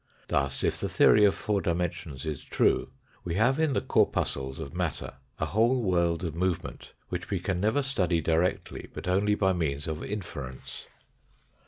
Thus, if the theory of four dimensions is true, we have in the corpuscles of matter a whole world of movement, which we can never study directly, but only by means of inference.